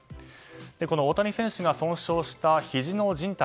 この大谷選手が損傷したひじのじん帯。